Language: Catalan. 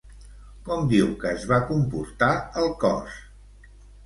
Com diu que es va comportar el cos?